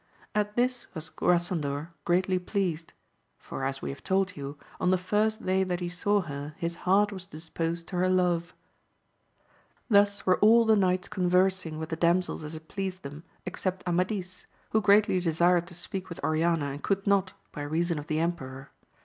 At this was Grasandor VOL. m. 17 1>58 AMADIS OF GAUL. greatly pleased ; for as we have told you, on the first day that he saw her his heart was disposed to her loYOi Thus were all the knights conversing with the damsels as it pleased them, except Amadis, who greatly desired to speak with Oriana, and could not, by reason of the emperor.